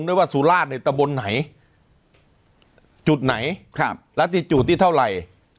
ไม่ว่าสุราชในตะบนไหนจุดไหนครับแล้วที่จุดที่เท่าไหร่